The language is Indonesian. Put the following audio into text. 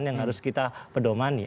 yang harus kita pedomani